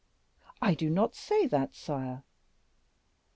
"I do not say that, sire."